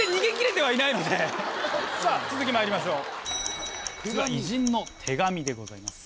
さぁ続きまいりましょう。